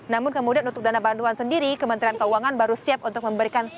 namun kemudian untuk dana bantuan sendiri kementerian keuangan baru siap untuk memberikan